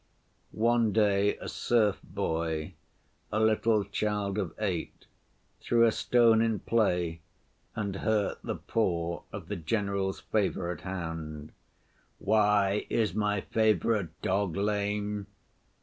One day a serf‐boy, a little child of eight, threw a stone in play and hurt the paw of the general's favorite hound. 'Why is my favorite dog lame?